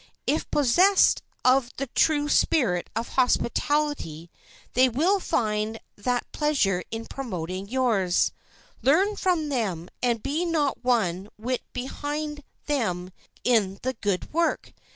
If possessed of the true spirit of hospitality, they will find that pleasure in promoting yours. Learn from them and be not one whit behind them in the good work.